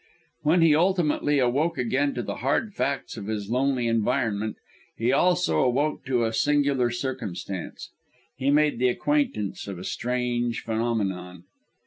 When he ultimately awoke again to the hard facts of his lonely environment, he also awoke to a singular circumstance; he made the acquaintance of a strange phenomenon.